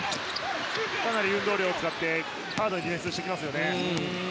かなり運動量を使ってハードにディフェンスをしてきます。